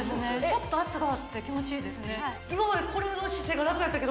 ちょっと圧があって気持ちいいですね